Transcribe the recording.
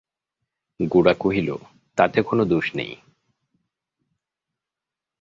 গোরা কহিল, তাতে কোনো দোষ নেই।